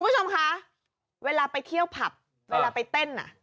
คุณผู้ชมคะเวลาไปเที่ยวผับเวลาไปเต้นอ่ะ